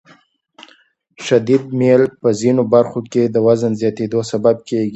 شدید میل په ځینو برخو کې د وزن زیاتېدو سبب کېږي.